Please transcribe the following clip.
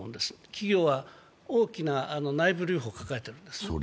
企業は大きな内部留保を抱えているんです。